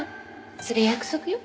それ約束よ。